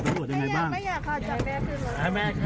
ปี๖๕วันเกิดปี๖๔ไปร่วมงานเช่นเดียวกัน